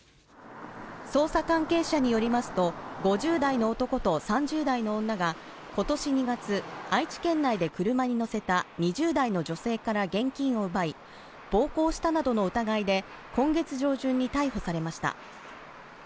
捜査関係者によりますと５０代の男と３０代の女が今年２月愛知県内で車に乗せた２０代の女性から現金を奪い暴行したなどの疑いで今月上旬に逮捕されました。